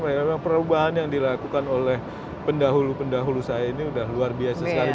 memang perubahan yang dilakukan oleh pendahulu pendahulu saya ini sudah luar biasa sekali